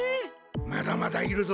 まだまだいるぞ！